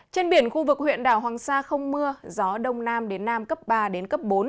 trên biển khu vực huyện đảo hoàng sa không mưa gió đông nam đến nam cấp ba đến cấp bốn